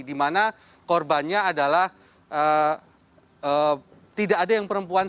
di mana korbannya adalah tidak ada yang perempuan